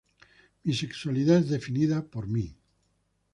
Mi sexualidad es definida por mí.